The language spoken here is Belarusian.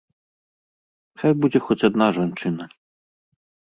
Хай будзе хоць адна жанчына.